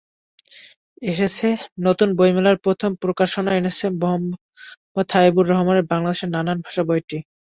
এসেছে নতুন বইমেলায় প্রথমা প্রকাশন এনেছে মুহাম্মদ হাবিবুর রহমানের বাংলাদেশের নানান ভাষা বইটি।